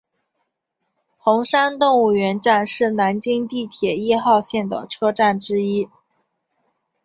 红山动物园站是南京地铁一号线的车站之一。